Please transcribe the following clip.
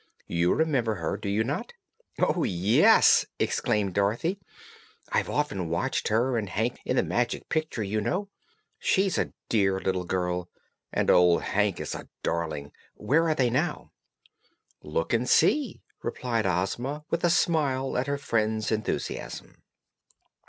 You remember her, do you not?" "Oh, yes!" exclaimed Dorothy. "I've often watched her and Hank in the Magic Picture, you know. She's a dear little girl, and old Hank is a darling! Where are they now?" "Look and see," replied Ozma with a smile at her friend's enthusiasm.